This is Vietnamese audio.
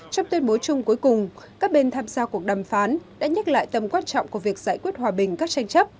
trong tuyên bố chung cuối cùng các bên tham gia cuộc đàm phán đã nhắc lại tầm quan trọng của việc giải quyết hòa bình các tranh chấp